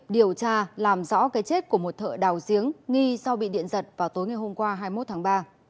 điều tra làm rõ cái chết của một thợ đào giếng nghi do bị điện giật vào tối ngày hôm qua hai mươi một tháng ba